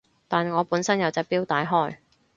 但我本身有隻錶戴開